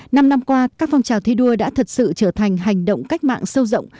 năm năm qua các phong trào thi đua đã thật sự trở thành hành động cách mạng sâu rộng